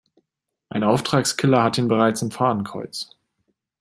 Ein Auftragskiller hat ihn bereits im Fadenkreuz.